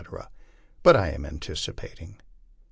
But I am anticipating.